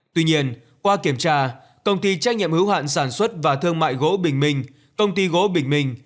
tuy nhiên qua kiểm tra công ty trách nhiệm hữu hạn sản xuất và thương mại gỗ bình minh công ty gỗ bình minh